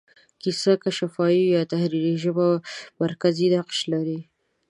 کیسه که شفاهي وي یا تحریري، ژبه مرکزي نقش لري.